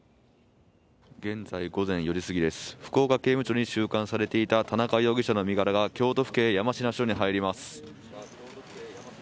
現在午前４時過ぎです福岡刑務所に収監されていた田中容疑者の身柄が京都府警山科署に入ります